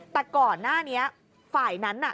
แต่ก่อนหน้านี้ฝ่ายนั้นน่ะ